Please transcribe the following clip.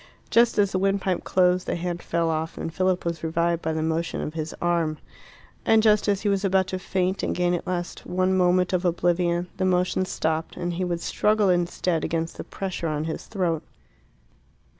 Just as the windpipe closed, the hand fell off, and Philip was revived by the motion of his arm. And just as he was about to faint and gain at last one moment of oblivion, the motion stopped, and he would struggle instead against the pressure on his throat.